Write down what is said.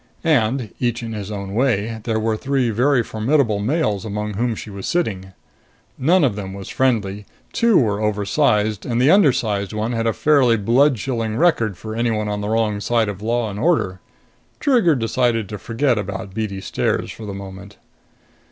And, each in his own way, there were three very formidable males among whom she was sitting. None of them was friendly; two were oversized, and the undersized one had a fairly bloodchilling record for anyone on the wrong side of law and order. Trigger decided to forget about beady stares for the moment.